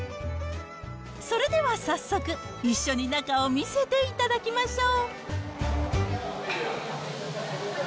それでは早速、一緒に中を見せていただきましょう。